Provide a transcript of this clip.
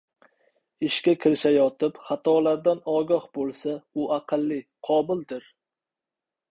– ishga kirishayotib, xatolardan ogoh bo‘lsa u aqlli, qobildir;